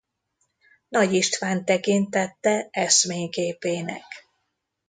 Nagy Istvánt tekintette eszményképének.